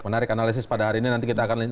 menarik analisis pada hari ini nanti kita akan